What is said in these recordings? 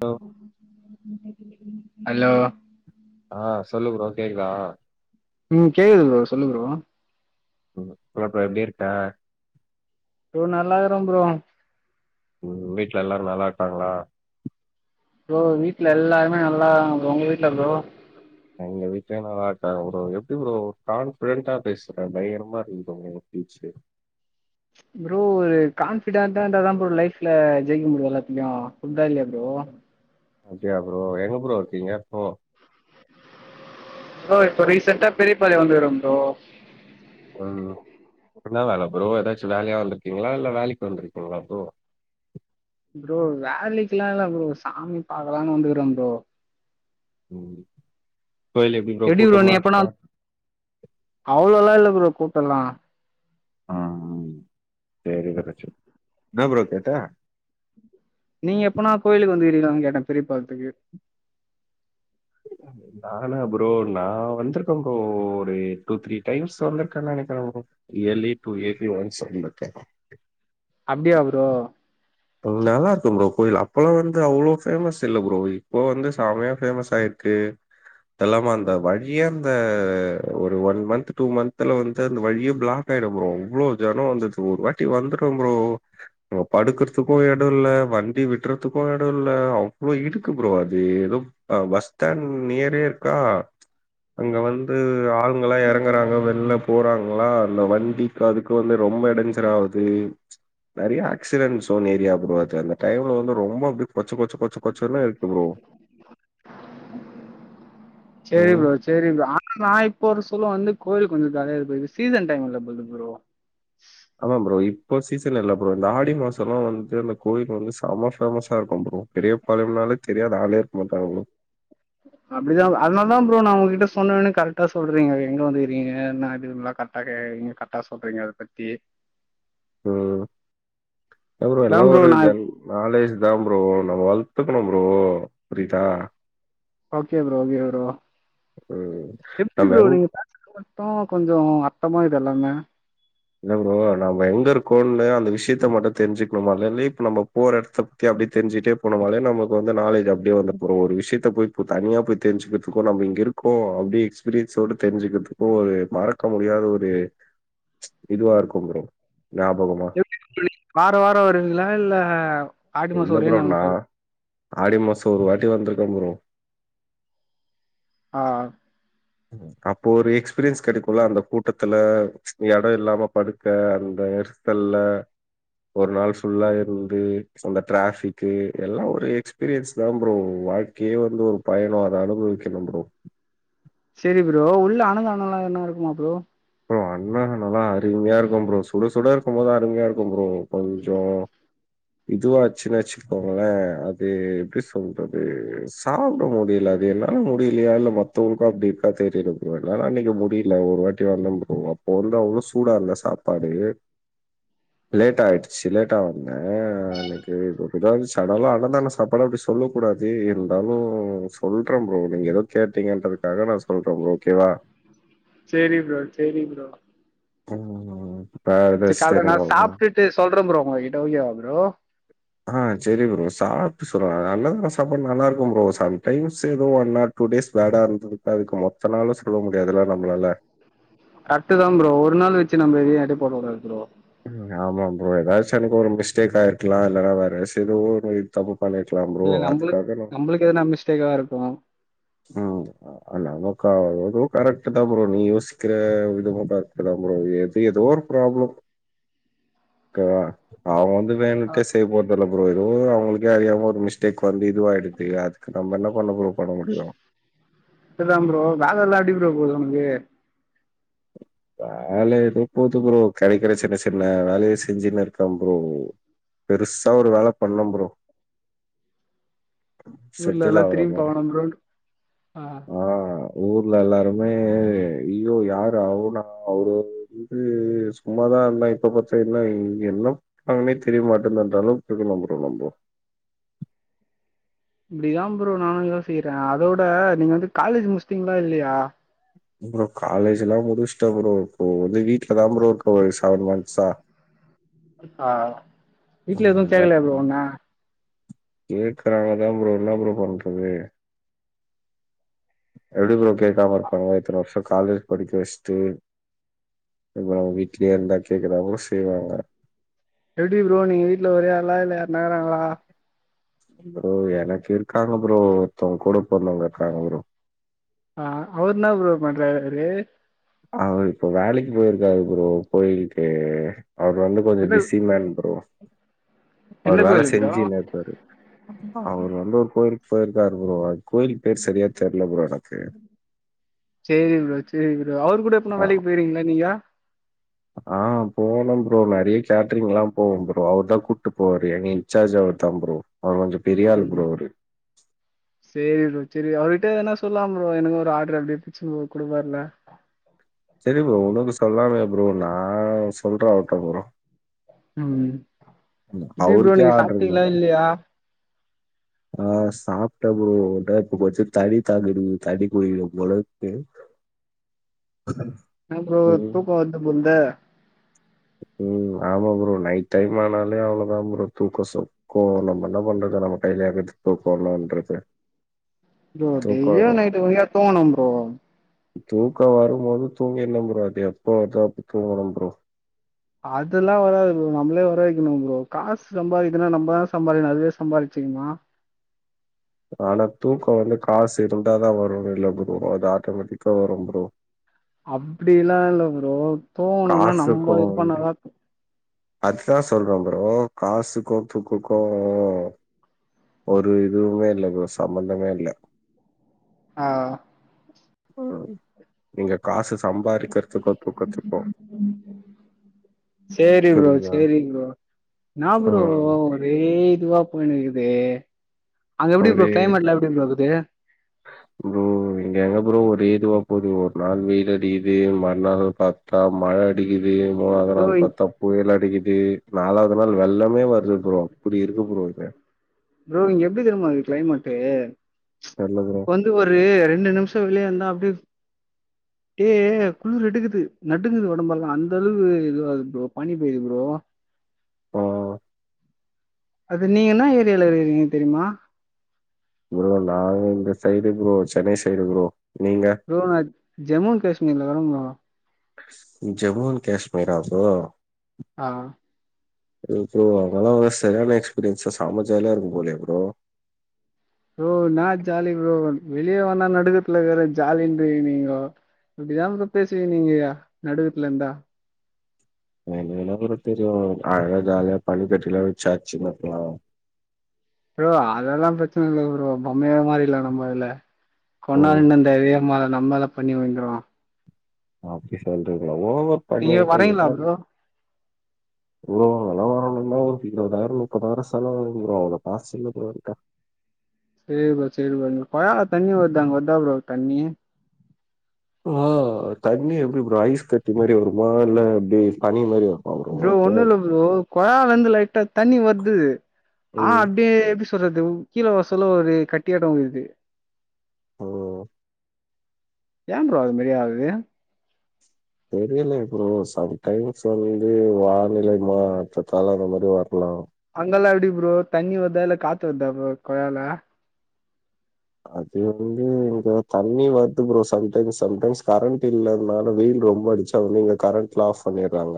Hello hello ஆ சொல்லு bro கேக்குதா ம் கேக்குது ப்ரோ சொல்லு ப்ரோ ம் அப்றம் எப்டி இருக்க? இவோ நல்லான் இருக்கறன் ப்ரோ ம் வீட்ல எல்லாரு நல்லா இருக்காங்ளா ப்ரோ வீட்ல எல்லாருமே நல்லாங்க ப்ரோ ‌ உங்க வீட்ல ப்ரோ எங்க வீட்ல நல்லா இருக்காங்க ப்ரோ எப்டி ப்ரோ ஒரு கான்பிடென்டா பேசுற பயங்கரமா இருக்கு ப்ரோ உங்களோட பீச்சு ப்ரோ ஒரு கான்ஃபிடென்டா இந்தான் ப்ரோ லைஃப்ல ஜெயிக்க முடியு எல்லாத்துலையு புர்தா இல்லயா ப்ரோ அப்டியா ப்ரோ எங்க ப்ரோ இருக்கீங்க இப்போ? ப்ரோ இப்போ ரீசன்டா பெரியப்பாளையோ வந்து இருக்கன் ப்ரோ ம் என்ன வேல ப்ரோ எதாச்சு வேலையா வந்திருக்கீங்களா இல்ல வேலைக்கு வந்துருக்கீங்களா ப்ரோ ப்ரோ வேலைக்கல்லா இல்ல ப்ரோ சாமி பாக்கலான்னு வந்திருக்கிறன் ப்ரோ ம் கோயில் எப்டி ப்ரோ நீ கூட்டமா அப்பனா இருக்கா அவ்ளல்லா இல்ல ப்ரோ கூட்டோ எல்லா ஆ ஆ சேரி வரச்ச என்ன ப்ரோ கேட்ட? நீங்க எப்பனா கோயிலுக்கு வந்துருகீங்கலான்னு கேட்டன் பேரிய பால்த்துக்கு [unintelligible] ப்ரோ நானா ப்ரோ நான் வந்திருக்கன் ப்ரோ ஒரு டூ த்ரீ டைம்ஸ் வந்திருக்கன்னு நெனைக்கறன் bro yearly two AC once வந்திருக்கன் அப்டியா ப்ரோ அது நல்லா இருக்கும் ப்ரோ கோயில் அப்பல்லா வந்து அவ்ளோ ஃபேமஸ் இல்ல ப்ரோ இப்போ வந்து செமயா ஃபேமஸ் ஆயிரு க்கு அதில்லாம அந்த வழியே அந்த ஒரு ஒன் மந்த்து டூ மந்த்துல வந்து அந்த வழியே பிளா க் ஆயிடும் ப்ரோ அவ்ளோ ஜனோ வந்துருச்சு ஒரு வாட்டி வந்துரும் ப்ரோ நம்ம படுக்க றதுக்கு எடோ இல்ல வண்டி விடறதுக்கு எடோ இல்ல அவ்ளோ எதுக்கு ப்ரோ அது எதோ அ பஸ் ஸ்டாண்ட் நியரே இருக்கா அங்க வந்து ஆளுங்கல்லா எறங்கறாங்க வெளில போறாங்ளா அந்த வண்டி அதுக்கு வந்து ரொம்ப இடஞ்சலாவுது நெறையா ஆக்சிடென்ட்ஸ் ஸோன் ஏரியா ப்ரோ அது அந்த டைம்ல வந்து ரொம்ப அப்டி கொச்ச கொச்ச கொச்சன்னு இருக்கு ப்ரோ சேரி ம். ப்ரோ சேரி ப்ரோ ஆனா நான் இப்போ ஒரு சூலம் வந்து கோயில் கொஞ்சோ காலியா இருக்கு இது சீசன் டைம் இல்ல வந்து ப்ரோ ஆமா ப்ரோ இப்போ சீசன் இல்ல ப்ரோ இந்த ஆடி மாசோ எல்லா வந்துட்டு அந்த கோயிலு செம ஃபேமஸா இருக்கும் ப்ரோ பெரியபாளையம்னாலே தெரியாத ஆளே இருக்க மாட்டாங்க ப்ரோ அப்டிதான் அதனாலதான் ப்ரோ நான் உங்க கிட்ட சொன்ன ஒன்னே கரெக்டா சொல்றீங்க எங்க வந்துருக்கீங்க என்ன ஏதுனல்லா கரெ க்டா நீங்க கரெக்ட்டா சொல்றீங்க அத பத்தி ம் இல்ல ப்ரோ எல்ல தான் ஒரு நான் ஜென் நாலேஜ்தான் ப்ரோ நம்ம வள்த்துக்கணும் ப்ரோ புரிதா ஓகே ப்ரோ ஓகே ப்ரோ ம். எப்டி நம்ம ப்ரோ எங் நீங்க மட்டு கொஞ்சோ அர்த்தமா இதெல்லாமே இல்ல ப்ரோ நம்ம எங்க இருக்கோன்னு அந்த விஷியத்த மட்டு தெரிஞ்சுக்கனு மொதல்லயே இப்ப நம்ப போற எடத் த அப்டி தெரிஞ்சுகிட்டே போனம்னாலே நமக்கு வந்து நாலேஜ் அப்டியேவந்துரு ப்ரோ ஒரு விஷ்யத்த போய் தனியா போய் தெரிஞ்சுக்கறதுக்கு நம்ம இங்க இரு க்கு அப்டி எக்ஸ்பீரியன்ஸ்னோட தெரிஞ்சுக்கறதுக்கு ஒரு மறக்க முடியாத ஒரு இதுவா இருக்கும் ப்ரோ ஞாபகமா வார வார வரிவிங்களா இல்ல ஆடி மாசம் இல்ல ஒரே ப்ரோ நாள் நா மட்டும் வருவீங்களா? ஆடி மாசம் ஒரு வாட்டி வந்திருக்க ப்ரோ ஆ அப்போ ஒரு எக்ஸ்பீரியன்ஸ் கேடைக்கும்ல அந்த கூட்டத்துல இடம் இல்லாம படுக்க அந்த தல்லா ஓரு நாள் ஃபுல்லா இருந்து அந்த ட்டிராப்பிக்கு எல்லா ஒரு எக்ஸ்பீரியன்ஸ் தா ப்ரோ வா [unintelligible] வந்து ஒரு பயணம் அத அனுபவிக்கணு ப்ரோ சேரி ப்ரோ உள்ள அன்னதானமேல்லா என்ன இருக்குமா ப்ரோ [unintelligible] எல்லா நல்லா அருமையா இருக்கு ப்ரோ சுட சுட இருக்கு போது அருமையா இருக்கு ப்ரோம் கொஞ்சோ இதுவ ஆச்சுன்ன வச்சுக்கோங்களே அது எப்டி சொல்றது சாப்பிட முடியல அது என்னால முடியலயா இல்ல மத்தவங்களுக்கு அப்டி இருக்கா தெரியல ப்ரோ அன்னைக்கு முடியல ஒருவாட்டி [unintelligible] ப்ரோ அப்போ வந்து அவ்வளவு சூடா இல்ல சாப்பாடு லேடா ஆயிடுச்சு லேட்டா வந்தே அன்னைக்கி ஒரு இத சடனா அன்னதான சாப்பாடே [unintelligible] சொல்ல கூடாது இருந்தாலு சொல்றே ப்ரோ நீங்க ஏதோ கேட்டீங்கன்றதுக்காக நா சொல்றே ப்ரோ ஓகேவா சேரி ப்ரோ சேரி ப்ரோ [unintelligible] சேர் சொல்றே ப்ரோ உங்க கிட்ட ஓகே ப்ரோ ஆ சேரி ப்ரோ சாப்பிட்டு சொல் அன்னதான சாப்பாடு நல்லா இருக்கு ப்ரோ சம்டைம்ஸ் ஏதோ [unintelligible] டூ டேஸ் பேடா இருந்ததுக்கு அது மத்த நாளு சொல்ல முடியாதுல்லா நம்மளால கரேட்டு தா ப்ரோ ஒரு நாள் வச்சு நம்ம எதையு எட போட கூடாது ப்ரோ ஆமா ப்ரோ ஏதாச்சு அனேக்கிகு ஒரு மிஸ்டேக் ஆயிருக்கலா இல்லன்னா வேற இதுவு தப்பு பண்ணிர்க்கலா இல்ல நம்மளுக்கு நம்மளுக்கு எதனா மிஸ்டேக்கா இருக்கு ம் அ நமக்காக கரெக்ட் தா ப்ரோ நீ யோசிக்கிற விதமா கரெக்ட் தா ப்ரோ எது ஏதோ பிராபல அ அவ வந்து ஆ, வேணுட்டு செய்ய போற இல்ல ப்ரோ அவங்கக்கே அறியாம ஒரு மிஸ்டேக் வந்து இதுவ ஆயிடுதுக்கு அதுக்கு நம்ம என்ன பண்ண பரோ இதான் ப்ரோ வேல எல்லா எப்டி ப்ரோ போது உனக்கு வேலை எதோ போது ப்ரோ கேடக்கிற சின்ன சின்ன வேலயை செஞ்சுன்னு இருக்கான் ப்ரோ பெருசா ஒரு வேல பண்ணே ப்ரோ ஊர்ல செட்டில் எல்லா ஆவுற திரும்பி மாரி பாக்கணு ப்ரோ ஆ ஊர்ல எல்லாருமே ஐயோ யாரு அவனா அவரு ம் ம் சும்மாதா பாத்தீங்கன்னா எண்ண அவங்கனே தெரிய மாட்டேன்னுன்றாலும் புது நம்பர் ப்ரோ இப்டிதா ப்ரோ நானு யோசிகிறே அதோட நீங்க வந்து காலேஜ் முடிச்சிட்டீங்களா இல்லயா அப்புறோ காலேஜ் எல்லா முடிச்சிட்டே ப்ரோ இப்போ வந்து வீட்டுல தா ப்ரோ இருக்கே ஒரு செவன் மந்ஸ்ஸா ஆ வீட்ல எதுவு கேக்கலையா ப்ரோ உன்ன கேக்குறாங்க தா ப்ரோ என்னா தா ப்ரோ பண்றது எப்டி ப்ரோ கேட்காம இருப்பாங்க இத்தனை வருஷ காலேஜ் படிக்க வச்சுட்டு அப்றோ வீட்ல இருந்தா கேக்கதானே செய்வாங்க எப்டி ப்ரோ நீங்க வீட்டுல ஒரே ஆளா இல்ல யார் நா இருங்களா ப்ரோ எனக்கு இருக்காங்க ப்ரோ ஒத்தவங்க கூட போறந்தவங்க இருக்காங்க ப்ரோ ஆ அவரு என்ன ப்ரோ பண்றாறு அவரு இப்போ வேலேக்கு போயிருக்காரு ப்ரோ போயிட்டு அவர் வந்து கொஞ்சோ எந்த பிஸிமோன் ப்ரோ அவர் எந்த வேலை கோயில் ப்ரோ செஞ்சினேருப்பாரு அவரு வந்து ஒரு கோயிலுக்கு போயிருக்காரு ப்ரோ அது கோயிலுக்கு பேர் சரியா தெர்ல ப்ரோ எனக்கு சேரி ப்ரோ சேரி ப்ரோ அவரு கூட எப்பனா ஆ வேலைக்கு போயிருக்கிங்ளா நீங்க ஆ போனோ ப்ரோ நெறைய கேட்ரிங்லா போவோ ப்ரோ அவர்தா கூப்ட்டு போவாரு எங்க இன்சார்ஜ் அவர் தா ப்ரோ அவர் கொஞ்சோ பெரியாளு ம் ப்ரோ அவுரு சேரி ப்ரோ சேரி அவர்கிட்ட எதனா சொல்லா ப்ரோ எனக்கு ஒரு ஆட்ரு அப்டே புடிச்சு போ குடுப்பாருல செரி ப்ரோ உனக்கு சொல்லாமயா ப்ரோ நா சொல்றே அவர்ட்ட ப்ரோ ம் எப்டி ப்ரோ அவருக்கே நீங்க ஆர்டர் இல்ல சாப்டிங்ளா இல்லயா ஆ சாப்ட்டே ப்ரோ இப்ப கொஞ்ச தண்ணி தாகோ எடுக்குது தண்ணி குடிக்குனு போல இருக்கு இன்ன ப்ரோ ம் தூக்கோ [unintelligible] ம் ஆமா ப்ரோ நைட் டைம் ஆனாலே அவ்ளோதா ப்ரோ தூக்கோ சொக் கோ நம்ம என்ன பண்றது நம்ம கைலா இருக்கு தூக்கோ வர்ணுன்றது ப்ரோ டெய்லியு நைட்டு [inaudible] தூங்கணு ப்ரோ தூக்கோ வரும்போது தூங்கின்னு ப்ரோ அது எப்ப வருதோ அப்ப தூங்கனு ப்ரோ அதுல்லா வராது ப்ரோ நம்ளே வர வைக்கணு ப்ரோ காசு சம்பாரிக்கனுனா நம்பதா சம்பாரிக்கணு அதுவே சம்பாரிச்சிக்குமா அனால தூக்கோ வந்து காசு இருந்தாதா வருன்னு இல்ல ப்ரோ அது ஆட்டோமேட்டிக்கா வரும் ப்ரோ அப்டி எல்லா இல்ல ப்ரோ தூங்குணுனா நம்ப இது பண்ணா தா அதுதா சொல்றோ ப்ரோ காசுக்கு தூக்குக்கு ஒரு இதுவுமே இல்ல இப்ப சம்மந்தமே இல்ல ஆ ம் நீங்க காசு சம்பாரிக்கறத்துக்கு தூக்கத்துக்கு சேரி ப்ரோ சேரி ப்ரோ இன்னா ப்ரோ ம். ஒரே இதுவா போய்னுக்குது அங்க எப்டி ப்ரோ ஒரே கிளைமட்ல எப்டி ப்ரோ இருக்குது ப்ரோ இங்க எங்க ப்ரோ ஒரே இதுவா போது ஒரு நாள் வெயில் அடிக்கிது மறுநாள் பாத் த்தா மழ அடிக்குது மூணாவது ப்ரோ நாள் பாத்தா புயல் அடிக்கிது நாலாவது நாள் வெள்ளமே வருது ப்ரோ அப்டி இருக்கு ப்ரோ இங்க ப்ரோ இங்க எப்டி தெரிமா இருக்கு கிளைமேட்டு தெர்ல ப்ரோ இப்ப வந்து ஒரு ரெண்டு நிம்ஷோ வெளிய இருந்தா அப்டே டே குளிர் எடுக்குது நடுங்குது ஒடம்பெல்லா அந்த அளவு இதுவாது ப்ரோ பனி பெய்து ப்ரோ ஆ அது நீங்க என்னா ஏரியால இருக்குறீங்க தெரிமா ப்ரோ நாங்க இந்த side bro Chennai side bro நீங்க ப்ரோ நா ஜம்மு காஷ்மீர்ல இக்குற ப்ரோ ஜம்முண் காஷ்மீரா ப்ரோ ஆ ஐயோ ப்ரோ அங்கெல்லா ஒரே செரியான எக்ஸ்பீரியன்ஸா செம ஜாலியா இருக்கும் போலயே ப்ரோ ப்ரோ என்னா ஜாலி ப்ரோ வெளிய வந்தா நடுக்கத்துல இக்குறே ஜாலின்றிங்க நீங்கோ இப்டிதா ப்ரோ பேசுவீங் நீங்க நடுக்கத்துல இருந்தா எனக்கென்னா ப்ரோ தெரியு அழகா ஜாலியா பனி கட்டிலா வச்சாச்சு [unintelligible] ப்ரோ அதெல்லா பிரச்சன இல்ல ப்ரோ பொம்மையா மாரில்லா நம்ம அதுல ஓ கொன்னா [unintelligible] [unintelligible] நம்மள பனி விழுந்துரு ஓ அப்டி சொல்றீங்களா ஓவர் பனி நீங்க ஆயிட்டா வரீங்களா எதா ப்ரோ ப்ரோ அங்கலா வரணும்னா ஒரு இருவதாயிரோ முப்பதாயிரோ செலவாகு ப்ரோ அவ்ளோ காசு இல்ல ப்ரோ என்ட்ட சேரி ப்ரோ சேரி ப்ரோ கொளால தண்ணி வருது அங்க வருதா ப்ரோ தண்ணி ஆ தண்ணி எப்டி ப்ரோ ஐஸ் கட்டி மாரி வருமா இல்ல எப்டி பனி மாரி வரு ப்ரோ ஒண்ணு இல்ல ப்ரோ கொழாலந்து லைட்டா தண்ணி வருது ஆ ம் அப்டியே சொல்றது கீழ வசல ஒரு கட்டியாட்டோ வருது ஓஹ் ஏ ப்ரோ அது மாரி ஆவுது தெரியலயே ப்ரோ சம்டைம்ஸ் வந்து வானிலை மாற்றத்தால அது மாரி வரலா அங்கல்லா எப்டி ப்ரோ தண்ணி வர்தா இல்ல காத்து வர்தா ப்ரோ கொழால அது வந்து இங்க தண்ணி வருது ப்ரோ சம்டைம்ஸ் சம்டைம்ஸ் கரண்ட் இல்லதுனால வெயில் ரொம்ப அடிச்சு இங்க வந்து கரண்ட்லா ஆஃப் பண்ணிறாங்க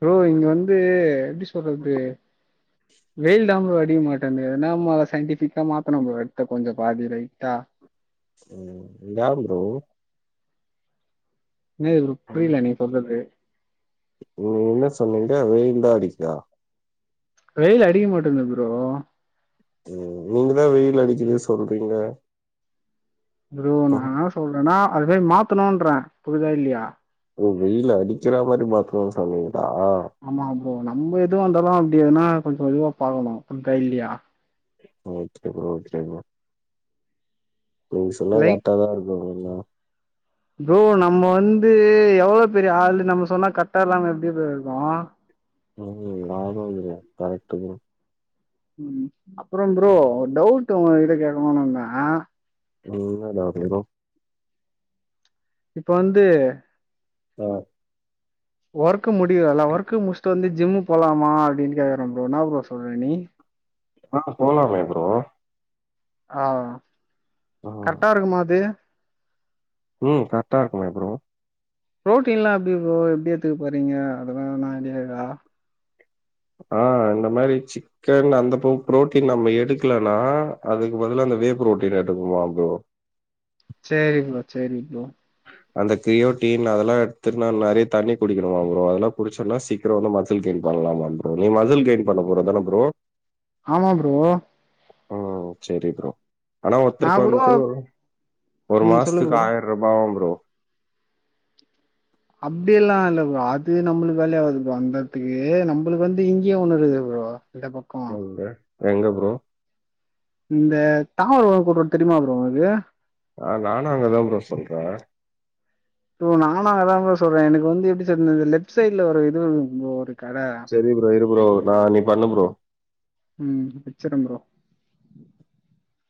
ப்ரோ இங்க வந்து எப்டி சொல்றது வெயில்தா ப்ரோ அடிக்க மாட்டேந்து எதுனா நம்மோ சயின்டிஃபிக்கா மாத்தண்ணோ ப்ரோ எடுத்து கொஞ்சோ பாதி ரைட்டா ஓ ஏ ப்ரோ இன்னாது ப்ரோ புரில நீங்க சொல்றது நீ என்ன சொன்னீங்க வெயில் தா அடிக்கு வெயில் அடிக்க மாட்டேந்து ப்ரோ ம் நீங்க தா வெயில் அடிக்குது சொல்றீங்க ப்ரோ நா இன்னா சொல்றேன்னா அது போய் மாத்தணுன்றே புரிதா இல்லயா ஓ வெயில் அடிக்கிற மாரி மாத்தனுன்னு சொன்னிங்ளா ஆமா ப்ரோ நம்ம எதுவாந்தாலு அப்டி எதுனா கொஞ்சோ இதுவா பாக்கனு புரிதா இல்லயா ஓகே ப்ரோ ஓகே ப்ரோ நீங்க சொன்னா லைக் கரெக்டா தா இருக்கு எல்லா ப்ரோ நம்ம வந்து எவ்ளோ பெரிய ஆளு நம்ம சொன்னா கரட்டா இல்லாம எப்டி ப்ரோ இருக்கு ம் ஆமா ப்ரோ கரெக்ட்டு ப்ரோ ம் அப்றோ ப்ரோ ஒரு டவுட் உங்ககிட்ட கேக்கனுன்னு இருந்தே என்ன டவுட்டு ப்ரோ இப்ப வந்து அஹ் ஒர்க்கு முடியுல்ல ஒர்க்கு முடிச்ட்டு வந்து ஜிம்மு போலாமா அப்டின்னு கேக்குறே ப்ரோ இன்னா ப்ரோ சொல்ற நீ அ போலாமே ப்ரோ அ ஆ கரெக்டா இருக்குமா அது ம் கரெக்டா இருக்குமே ப்ரோ ப்ரோட்டீன்லா எப்டி ப்ரோ எப்டி எத்துக்க போறீங்க அதலா எதனா ஐடியா இருக்கா அ இந்த மாரி சிக் கன் அந்த ப்ரோட்டீன் நம்ம எடுக்கலனா அதுக்கு பதிலா அந்த வே ப்ரோட்டீன் எடுக்கன்னுமா ப்ரோ சேரி ப்ரோ சேரி ப்ரோ அந்த கிரியோடீன் அதெல்லா எடுத்துன்னு நெறைய தண்ணி குடிக்கணும்மா ப்ரோ அதெல்லா குடிச்சோன்னா சீக் க்ரோ வந்து மசில் கெயின் பண்ணலாமா ப்ரோ நீ மசில் கெயின் பண்ண போற தான ப்ரோ ஆமா ப்ரோ ம் சேரி ப்ரோ ஆனா நா ஒருத்தருக்கு கூட வந்து ஒரு ம் சொல்லு மாசத்துக்கு ப்ரோ ஆயி ருபாவா ப்ரோ அப்டில்லா இல்ல ப்ரோ அது நம்மளுக்கு வேலையாவாது ப்ரோ அந்தத்துக்கு நம்மளுக்கு வந்து இங்கேயே ஒன்னு இருக்குதே ப்ரோ இந்தப் பக்கோ [unintelligible] ப்ரோ எங்க ப்ரோ இந்த தாம்பரம் கூட் ரோடு தெரியுமா ப்ரோ உங்களுக்கு அ நானு அங்கதா ப்ரோ சொல்ற ப்ரோ நானு அங்கதா ப்ரோ சொல்ற எனக்கு வந்து எப்டி சொல்றது லெஃப்ட் சைடுல ஒரு இது இருக்கு ப்ரோ ஒரு கட செரி ப்ரோ இரு ப்ரோ நா நீ பண்ணு ப்ரோ ம் வெச்சிட்ற ப்ரோ